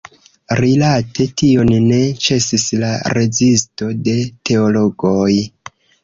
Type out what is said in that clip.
Rilate tion ne ĉesis la rezisto de teologoj.